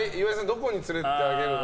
どこに連れていってあげるの？